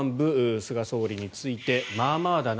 菅総理についてまあまあだな。